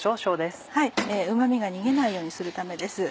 うま味が逃げないようにするためです。